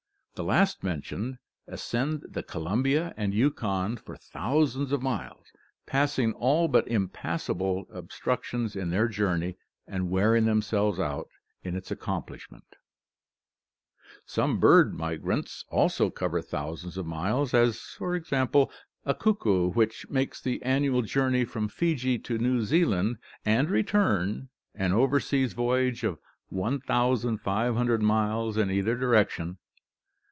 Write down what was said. The last mentioned ascend the Columbia and Yukon for thousands of miles, passing all but impassable obstructions in their journey and wearing themselves out in its accomplishment Some bird migrants also cover thousands of miles, as, for example, a cuckoo which makes the annual journey from Fiji to New Zealand and return, an over seas voyage of 1500 miles in either direction.